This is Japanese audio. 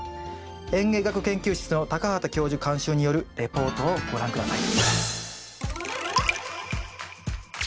園芸学研究室の畑教授監修によるレポートをご覧下さい。